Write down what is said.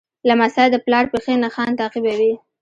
لمسی د پلار پښې نښان تعقیبوي.